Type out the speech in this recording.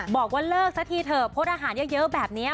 บอกว่าเลิกซะทีเถอะพดอาหารเยอะแบบนี้